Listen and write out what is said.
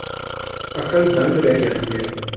عقل دنگ رہ جاتی ہے۔